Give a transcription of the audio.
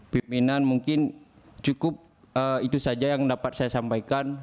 pimpinan mungkin cukup itu saja yang dapat saya sampaikan